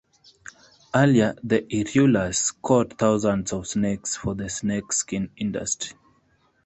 Earlier, the "Irulas" caught thousands of snakes for the snake-skin industry.